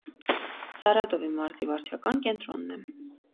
Սարատովի մարզի վարչական կենտրոնն է։